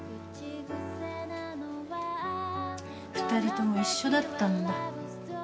２人とも一緒だったんだ。